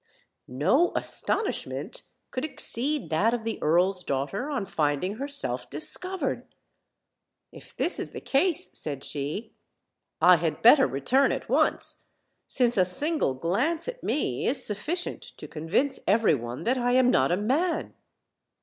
No astonishment could exceed that of the earl's daugh ter on finding herself discovered. "If this is the case," said she, "I had better return at once, since a single glance at me is sufficient to convince every one that I am not a man."